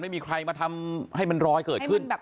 ไม่มีใครมาทำให้มันรอยเกิดขึ้น